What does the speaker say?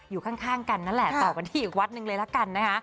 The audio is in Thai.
อยู่ข้างกันนั่นแหละต่อกันที่อีกวัดหนึ่งเลยละกันนะคะ